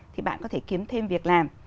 thì bạn có thể kiếm thêm việc làm